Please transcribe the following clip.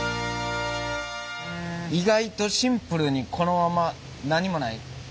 意外とシンプルにこのまま何もない白。